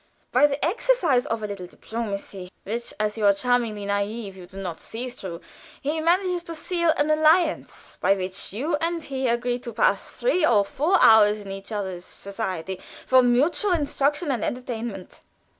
By the exercise of a little diplomacy, which, as you are charmingly naïve, you do not see through, he manages to seal an alliance by which you and he agree to pass three or four hours in each other's society, for mutual instruction and entertainment.